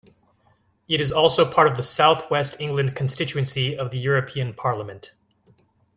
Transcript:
It is also part of the South West England constituency of the European Parliament.